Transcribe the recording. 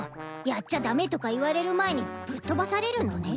やっちゃ駄目とか言われる前にぶっ飛ばされるのね。